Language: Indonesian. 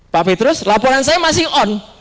pak petrus laporan saya masih on